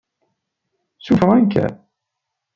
Ssuffɣen-k?